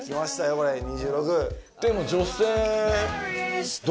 これ２６！